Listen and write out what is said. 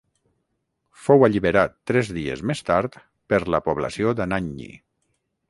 Fou alliberat tres dies més tard per la població d'Anagni.